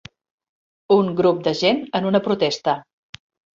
Un grup de gent en una protesta.